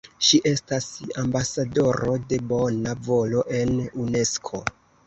Ŝi estas ambasadoro de bona volo en Unesko.